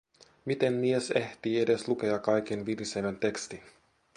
Miten mies ehtii edes lukea kaiken vilisevän tekstin?